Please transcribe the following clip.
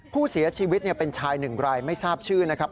ผู้เสียชีวิตเป็นชายหนึ่งรายไม่ทราบชื่อนะครับ